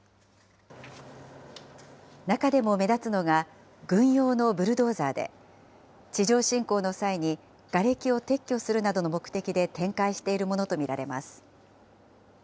中でも目立つのが、軍用のブルドーザーで、地上侵攻の際に、がれきを撤去するなどの目的で展開しているものと見られます。